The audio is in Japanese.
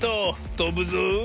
とぶぞ。